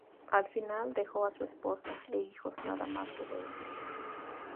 Al final, dejó a su esposa e hijos nada más que deudas.